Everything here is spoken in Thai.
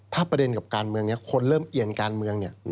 ถ้าประเด็นกับการเมืองนี้คนเริ่มเอียนการเมืองเนี่ย